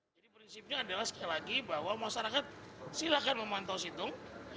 jadi prinsipnya adalah sekali lagi bahwa masyarakat silakan memantau situng